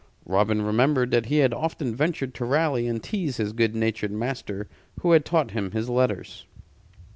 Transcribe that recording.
Robin remembered that he had often ventured to rally and tease this good natured master who had taught him his letters.